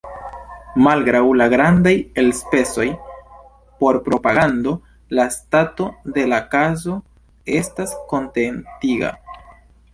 Malgraŭ la grandaj elspezoj por propagando, la stato de la kaso estas kontentiga.